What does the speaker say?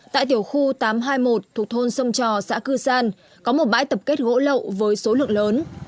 tại tiểu khu tám trăm hai mươi một thuộc thôn sông trò xã cư san có một bãi tập kết gỗ lậu với số lượng lớn